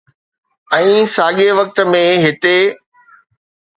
۽ ساڳئي وقت ۾ هتي